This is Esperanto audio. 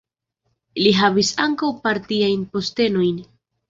Li havis ankaŭ partiajn postenojn.